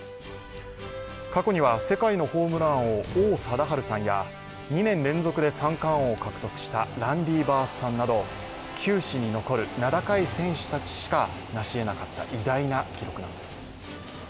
過去には世界のホームラン王、王貞治さんや２年連続で三冠王を獲得したランディ・バースさんなと球史に残る名高い選手たちにしかなしえなかった偉大な記録です。